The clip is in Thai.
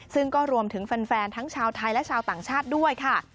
ซึ่งก็รวมถึงแฟนทั้งชาวไทยและชาวต่างชาติด้วยค่ะ